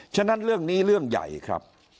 ฉะนั้นเรื่องนี้เรื่องใหญ่ครับ